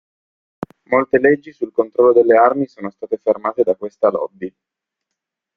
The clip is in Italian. Molte leggi sul controllo delle armi sono state fermate da questa lobby.